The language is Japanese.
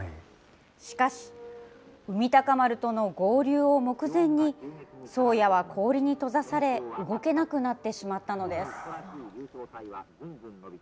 しかし、海鷹丸との合流を目前に、宗谷は氷に閉ざされ、動けなくなってしまったのです。